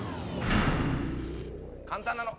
簡単なの。